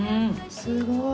すごい。